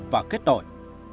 và kết nội